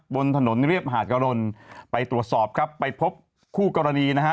บนถนนเรียบหาดกะรนไปตรวจสอบครับไปพบคู่กรณีนะฮะ